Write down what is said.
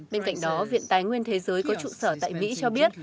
bên cạnh đó viện tài nguyên thế giới có trụ sở tại mỹ cho biết